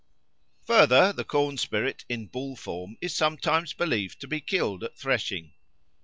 Further, the corn spirit in bull form is sometimes believed to be killed at threshing.